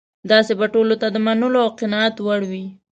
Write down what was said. داسې به ټولو ته د منلو او قناعت وړ وي.